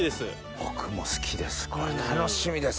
僕も好きです！